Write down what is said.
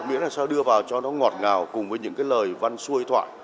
nghĩa là sao đưa vào cho nó ngọt ngào cùng với những cái lời văn xuôi thoại